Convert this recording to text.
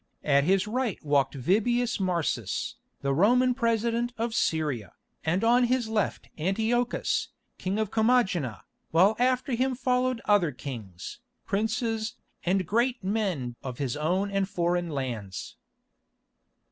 At his right walked Vibius Marsus, the Roman President of Syria, and on his left Antiochus, King of Commagena, while after him followed other kings, princes, and great men of his own and foreign lands.